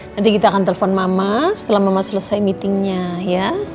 nanti kita akan telepon mama setelah mama selesai meetingnya ya